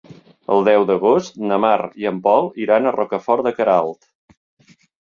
El deu d'agost na Mar i en Pol iran a Rocafort de Queralt.